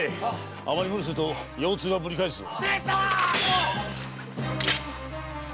あまり無理すると腰痛がぶり返すぞ。